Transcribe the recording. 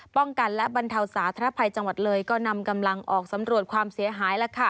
ป้องกันและบรรเทาสาธารณภัยจังหวัดเลยก็นำกำลังออกสำรวจความเสียหายแล้วค่ะ